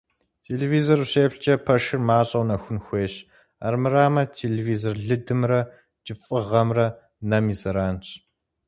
Телевизор ущеплъкӀэ пэшыр мащӀэу нэхун хуейщ, армырамэ телевизор лыдымрэ кӀыфӀыгъэмрэ нэм и зэранщ.